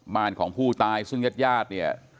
บ้านของผู้ตายซึ่งญาติญาติเนี่ย